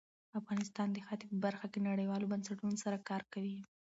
افغانستان د ښتې په برخه کې نړیوالو بنسټونو سره کار کوي.